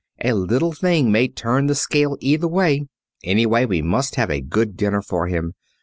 A little thing may turn the scale either way. Anyway, we must have a good dinner for him.